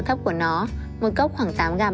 thấp của nó một cốc khoảng tám gram